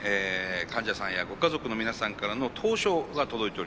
患者さんやご家族の皆さんからの投書が届いております。